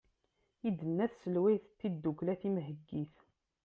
i d-tenna tselwayt n tddukkla timheggit